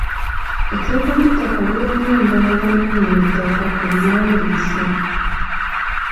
Etteeka ly’ettaka liwa nnyo embavu bannanyini ttaka eriwandiise.